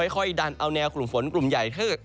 ค่อยดันเอาแนวกลุ่มฝนกลุ่มใหญ่คือ